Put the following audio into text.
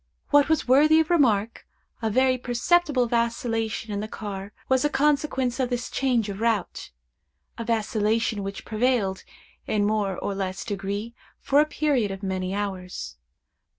What was worthy of remark, a very perceptible vacillation in the car was a consequence of this change of route—a vacillation which prevailed, in a more or less degree, for a period of many hours.